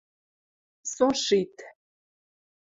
Со шит.